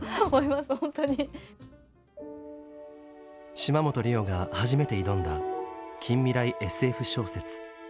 島本理生が初めて挑んだ近未来ＳＦ小説。